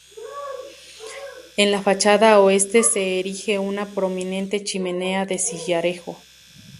En la fachada oeste se erige una prominente chimenea de sillarejo.